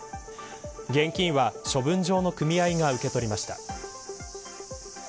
現金は処分場の組合が受け取りました。